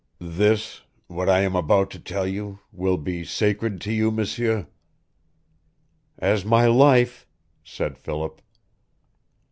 This what I am about to tell you will be sacred to you, M'sieur?" "As my life," said Philip.